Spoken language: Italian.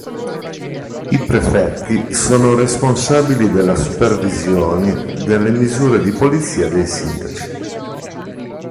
I prefetti sono responsabili della supervisione delle misure di polizia dei sindaci.